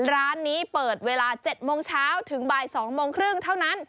ร้านนี้เปิดเวลา๗โมงเช้าถึงบ่าย๒โมงครึ่งเท่านั้น